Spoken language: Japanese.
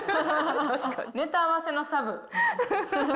ネタ合わせのサブ。